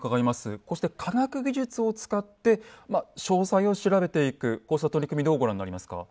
こうして科学技術を使って詳細を調べていくこうした取り組みどうご覧になりますか。